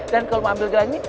dan kalau mau ambil gelang ini